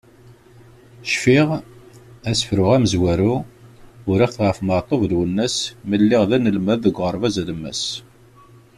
Cfiɣ, asefru amezwaru, uriɣ-t ɣef Meɛtub Lwennas mi lliɣ d anelmad deg uɣerbaz alemmas.